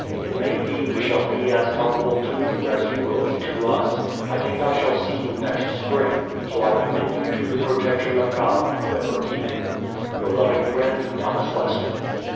It may be we shall be as helpful to you as you will be to us. I think I shall see you next spring; so I commend you to the protection of God, Who ever keep you. Your loving friend, THOS. WESTON.